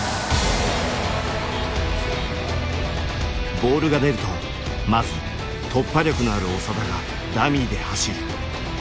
ボールが出るとまず突破力のある長田がダミーで走る。